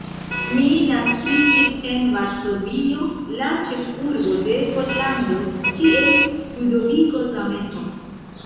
Mi naskiĝis en Varsovio, la ĉefurbo de Pollando kiel Ludoviko Zamenhof.